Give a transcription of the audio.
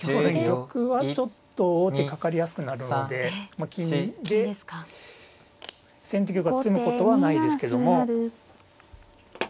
玉はちょっと王手かかりやすくなるのでまあ金で先手玉が詰むことはないですけども。